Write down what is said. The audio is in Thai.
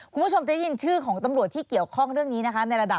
คุณผู้ชมจะได้ยินชื่อของตำรวจที่เกี่ยวข้องเรื่องนี้นะคะในระดับ